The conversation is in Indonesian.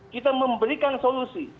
kita memberikan solusi